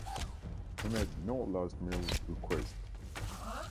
He made no last meal request.